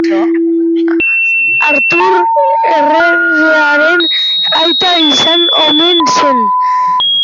Artur erregearen aita izan omen zen.